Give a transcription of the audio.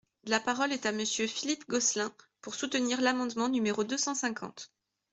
La parole est à Monsieur Philippe Gosselin, pour soutenir l’amendement numéro deux cent cinquante.